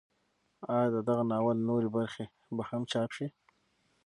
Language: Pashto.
ایا د دغه ناول نورې برخې به هم چاپ شي؟